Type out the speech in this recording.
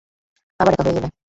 আবার একা হয়ে গেলে।